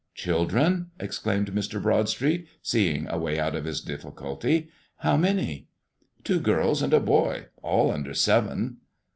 "Children?" exclaimed Mr. Broadstreet, seeing a way out of his difficulty; "how many?" "Two girls and a boy, all under seven."